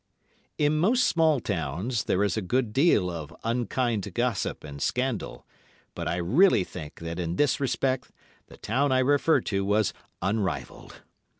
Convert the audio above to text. In most small towns there is a good deal of unkind gossip and scandal, but I really think that in this respect the town I refer to was unrivalled.